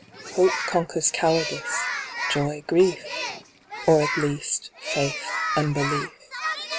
Hope conquers cowardice, joy grief : Or at least, faith unbelief.